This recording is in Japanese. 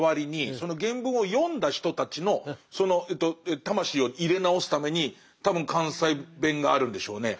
その原文を読んだ人たちの魂を入れ直すために多分関西弁があるんでしょうね。